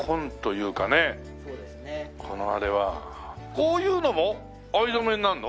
こういうのも藍染めになるの？